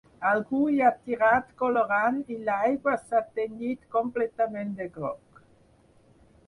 Algú hi ha tirat colorant i l’aigua s’ha tenyit completament de groc.